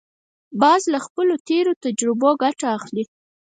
باز له خپلو تېرو تجربو ګټه اخلي